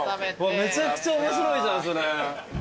めちゃくちゃ面白いじゃんそれ。